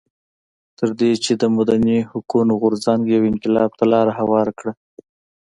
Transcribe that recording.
تر دې چې د مدني حقونو غورځنګ یو انقلاب ته لار هواره کړه.